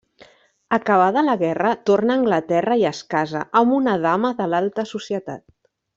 Acabada la guerra, torna a Anglaterra i es casa amb una dama de l'alta societat.